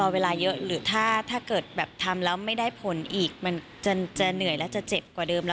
เวลาเยอะหรือถ้าเกิดแบบทำแล้วไม่ได้ผลอีกมันจะเหนื่อยแล้วจะเจ็บกว่าเดิมแล้ว